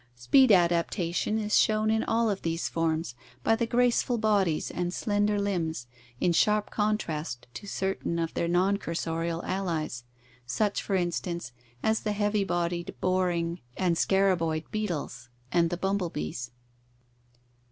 Speed adaptation is shown in all of these forms by the graceful bodies and slender limbs, in sharp contrast to certain of their non cursorial allies, such, for instance, as the heavy bodied boring and scaraboid beetles, and the bumblebees.